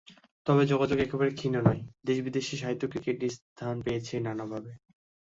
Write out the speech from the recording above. তবে যোগাযোগ একেবারে ক্ষীণ নয়, দেশ-বিদেশের সাহিত্যে ক্রিকেট স্থান পেয়েছে নানাভাবে।